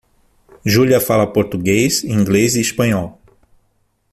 Júlia fala Português, Inglês e Espanhol.